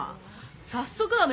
早速だね。